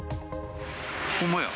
ほんまや。